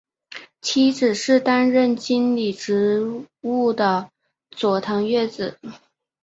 妻子是担任经理职务的佐藤悦子。